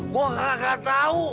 gua sangat gak tahu